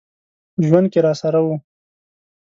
په ژوند کي راسره و .